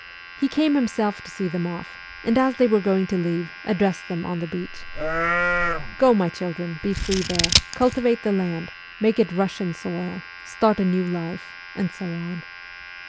He came himself to see them off, and, as they were going to leave, addressed them on the beach :' Go, my children, be free there, cultivate the land, make it Russian soil, start a new life,' and so on.